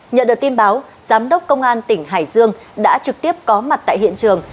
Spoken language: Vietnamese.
nhận được tin báo giám đốc công an tỉnh hải dương đã trực tiếp có mặt tại hiện trường